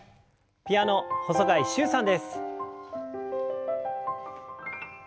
ピアノ細貝柊さんです。